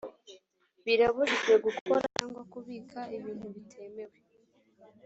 birabujijwe gukora cyangwa kubika ibintu bitemewe